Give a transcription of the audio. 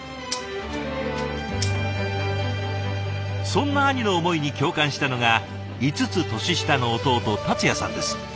そんな兄の思いに共感したのが５つ年下の弟達也さんです。